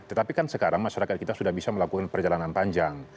tetapi kan sekarang masyarakat kita sudah bisa melakukan perjalanan panjang